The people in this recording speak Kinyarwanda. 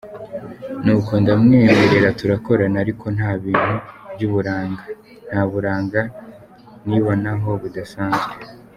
ni uko ndamwemerera turakorana ariko nta bintu by’uburanga, nta buranga nibonaho budasanzwe.